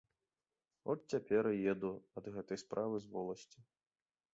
От я цяпер і еду ад гэтай справы з воласці.